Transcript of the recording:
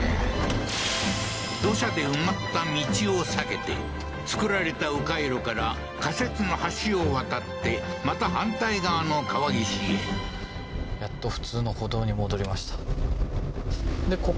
土砂で埋まった道を避けて造られたう回路から仮設の橋を渡ってまた反対側の川岸へ言ってましたね